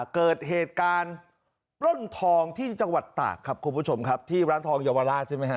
เกิดเหตุการณ์ปล้นทองที่จังหวัดตากครับคุณผู้ชมครับที่ร้านทองเยาวราชใช่ไหมฮะ